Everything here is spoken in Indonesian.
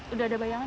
udah ada bayangan